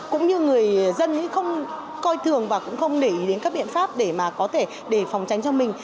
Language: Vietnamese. cũng như người dân không coi thường và cũng không để ý đến các biện pháp để mà có thể để phòng tránh cho mình